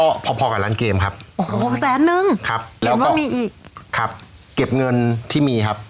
ก็พอพอกับร้านเกมครับโอ้โหหกแสนนึงครับแล้วก็มีอีกครับเก็บเงินที่มีครับ